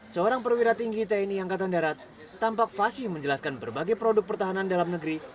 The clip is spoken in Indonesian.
seorang perwira tinggi tni angkatan darat tampak fasih menjelaskan berbagai produk pertahanan dalam negeri